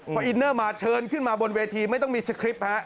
พออินเนอร์มาเชิญขึ้นมาบนเวทีไม่ต้องมีสคริปต์ฮะ